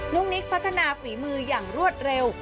นิกพัฒนาฝีมืออย่างรวดเร็ว